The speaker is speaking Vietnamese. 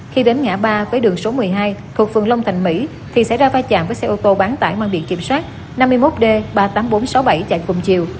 khi đến ngã ba với đường số một mươi hai thuộc phường long thành mỹ thì xảy ra va chạm với xe ô tô bán tải mang biển kiểm soát năm mươi một d ba mươi tám nghìn bốn trăm sáu mươi bảy chạy cùng chiều